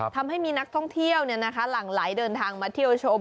ทำให้มีนักท่องเที่ยวหลั่งไหลเดินทางมาเที่ยวชม